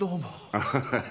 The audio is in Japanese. アハハハ。